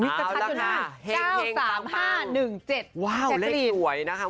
เอาละค่ะเฮ้นเฮ้นคับอ้าวลูกสาวเลยได้ด้วยนะครับ